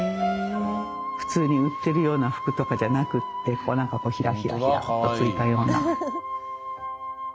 普通に売ってるような服とかじゃなくってこうなんかヒラヒラヒラッと付いたような。